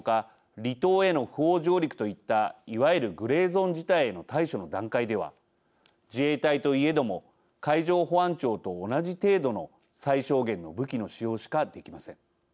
離島への不法上陸といったいわゆるグレーゾーン事態への対処の段階では自衛隊といえども海上保安庁と同じ程度の最小限の武器の使用しかできません。